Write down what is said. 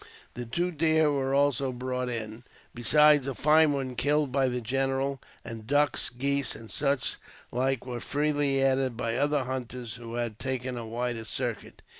The two deer were also brought in. 64 AUTOBIOGBAPHY OF besides a fine one killed by the general, and ducks, geese, and such like were freely added by the other hunters, who had taken a wider circuit.